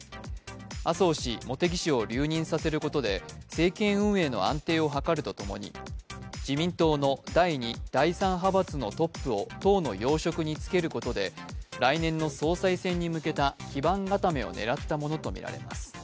麻生氏、茂木氏を留任させることで政権運営の安定を図るとともに自民党の第２、第３派閥のトップを党の要職につけることで、来年の総裁選に向けた基盤固めを狙ったものとみられます。